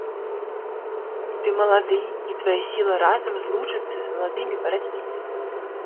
Ты малады, і твая сіла разам злучыцца з маладымі барацьбітамі.